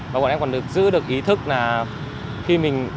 và bọn em còn được giữ được ý thức là khi mình